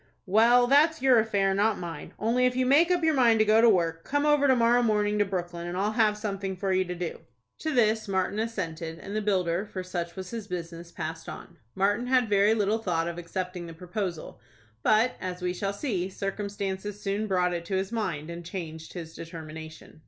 "Well, that's your affair, not mine. Only, if you make up your mind to go to work, come over to morrow morning to Brooklyn, and I'll have something for you to do." To this Martin assented, and the builder, for such was his business, passed on. Martin had very little thought of accepting the proposal; but, as we shall see, circumstances soon brought it to his mind, and changed his determination.